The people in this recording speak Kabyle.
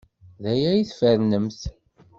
D aya ay tfernemt.